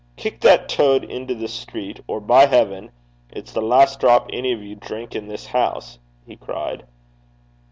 'Kick that toad into the street, or, by heaven! it's the last drop any of you drink in this house!' he cried.